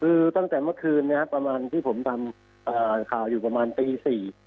คือตั้งแต่เมื่อคืนนะครับประมาณที่ผมทำข่าวอยู่ประมาณตีสี่